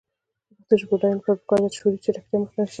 د پښتو ژبې د بډاینې لپاره پکار ده چې شعوري چټکتیا مخنیوی شي.